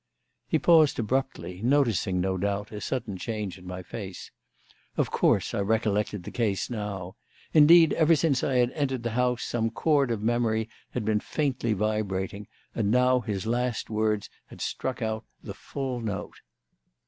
He paused abruptly, noticing, no doubt, a sudden change in my face. Of course, I recollected the case now. Indeed, ever since I had entered the house some chord of memory had been faintly vibrating, and now his last words had struck out the full note.